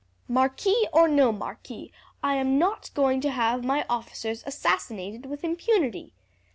Marquis or no marquis, I am not going to have my officers assassinated with impunity.